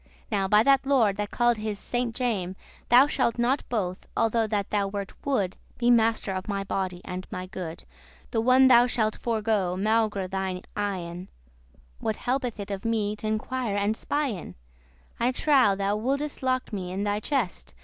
Now, by that lord that called is Saint Jame, Thou shalt not both, although that thou wert wood,* *furious Be master of my body, and my good,* *property The one thou shalt forego, maugre* thine eyen. *in spite of What helpeth it of me t'inquire and spyen? I trow thou wouldest lock me in thy chest.